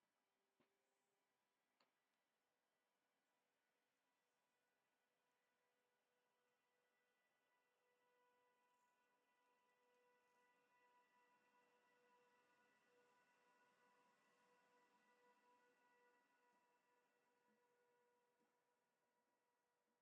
Lqed lɛali, a Ṛebbi ketter-as iqcicen.